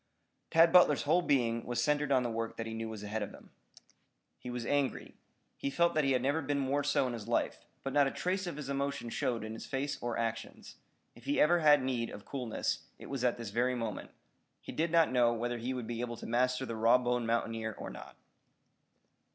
Tad Butler's whole being was centered on the work that he knew was ahead of him. He was angry. He felt that he had never been more so in his life, but not a trace of his emotion showed in his face or actions. If he ever had need of coolness, it was at this very moment. He did not know whether he would be able to master the raw boned mountaineer or not.